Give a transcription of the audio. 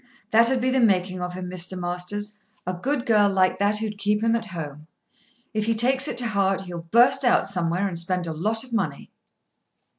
"That'd be the making of him, Mr. Masters; a good girl like that who'd keep him at home. If he takes it to heart he'll burst out somewhere and spend a lot of money."